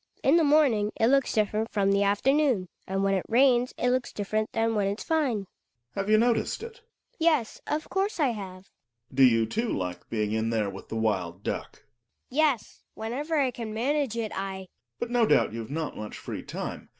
In the morning it looks different from the afternoon and when it rains it looks different than when it's fine. Gregers. Have you noticed it ? Hedvig. Yes, of course I have. Gregers. Do you, too, like being in there with the wild duck? Hedvig. Yes, whenever I can manage it I QQ THE WILD DUCK. Gregers. But no doubt youVe not much free time.